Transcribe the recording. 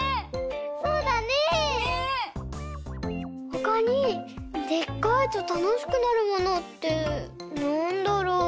ほかにでっかいとたのしくなるものってなんだろう？